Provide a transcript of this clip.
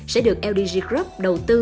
sẽ được ldg group đầu tư